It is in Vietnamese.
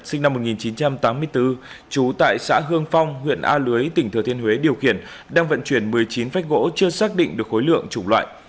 sinh năm một nghìn chín trăm tám mươi bốn trú tại xã hương phong huyện a lưới tỉnh thừa thiên huế điều khiển đang vận chuyển một mươi chín phách gỗ chưa xác định được khối lượng chủng loại